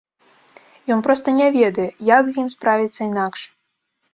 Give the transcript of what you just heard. Ён проста не ведае, як з ім справіцца інакш.